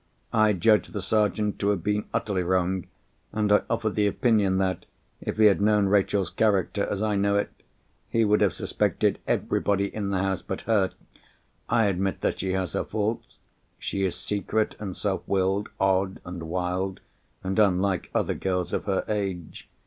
I judge the Sergeant to have been utterly wrong; and I offer the opinion that, if he had known Rachel's character as I know it, he would have suspected everybody in the house but her. I admit that she has her faults—she is secret, and self willed; odd and wild, and unlike other girls of her age.